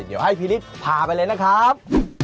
เดี๋ยวให้พี่นิดพาไปเลยนะครับ